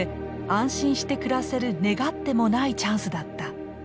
安心して暮らせる願ってもないチャンスだった。